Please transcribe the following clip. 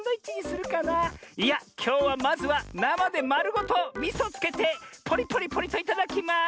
いやきょうはまずはなまでまるごとみそつけてポリポリポリといただきます！